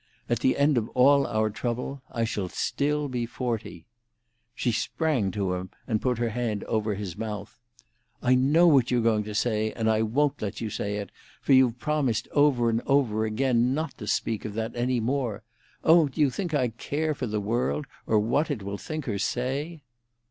At the end of all our trouble I shall still be forty——" She sprang to him and put her hand over his mouth. "I know what you're going to say, and I won't let you say it, for you've promised over and over again not to speak of that any more. Oh, do you think I care for the world, or what it will think or say?"